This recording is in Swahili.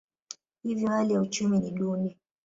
Hivyo hali ya uchumi ni duni.